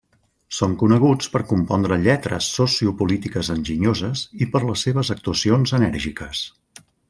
Són coneguts per compondre lletres sociopolítiques enginyoses i per les seves actuacions enèrgiques.